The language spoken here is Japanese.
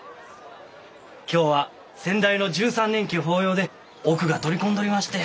今日は先代の十三年忌法要で奥が取り込んでおりまして。